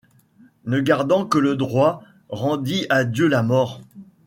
Ne gardant que le droit, rendit à Dieu la mort.